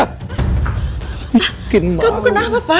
pak kamu kenapa pak